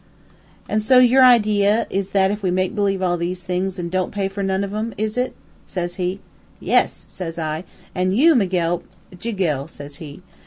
"'An' so your idea is that we make believe all these things, an' don't pay for none of 'em, is it?' says he. "'Yes,' says I; 'an' you, Miguel ' "'Jiguel,' says he.